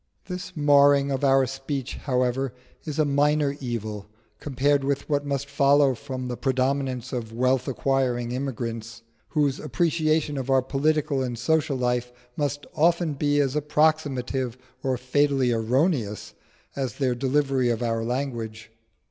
This marring of our speech, however, is a minor evil compared with what must follow from the predominance of wealth acquiring immigrants, whose appreciation of our political and social life must often be as approximative or fatally erroneous as their delivery of our language.